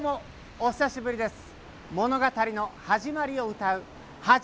お久しぶりです。